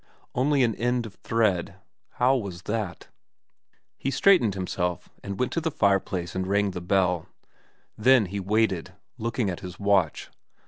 Only an end of thread. How was that ? He straightened himself, and went to the fireplace and rang the bell. Then he waited, looking at his watch.